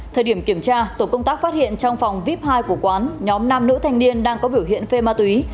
thời điểm kiểm tra tổ công tác phát hiện trong phòng vip hai của quán nhóm nam nữ thanh niên đang có biểu hiện phê ma túy